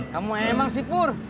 kamu emang sipur